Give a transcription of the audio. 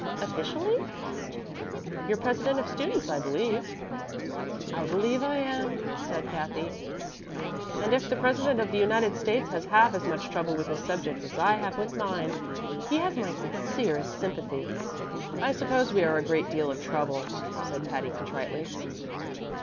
"Officially?" "You're president of students, I believe?" "I believe I am," sighed Cathy; "and if the President of the United States has half as much trouble with his subjects as I have with mine, he has my sincerest sympathy." "I suppose we are a great deal of trouble," said Patty, contritely.